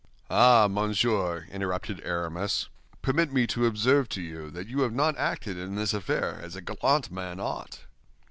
"Ah, monsieur," interrupted Aramis, "permit me to observe to you that you have not acted in this affair as a gallant man ought."